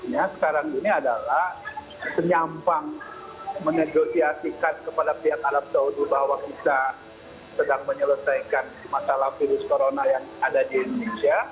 ya sekarang ini adalah senyampang menegosiasikan kepada pihak arab saudi bahwa kita sedang menyelesaikan masalah virus corona yang ada di indonesia